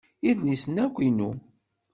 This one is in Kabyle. Idlisen-a akk inu.